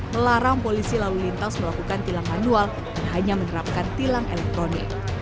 melarang polisi lalu lintas melakukan tilang manual dan hanya menerapkan tilang elektronik